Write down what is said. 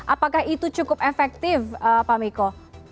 apakah itu cukup efektif pak miko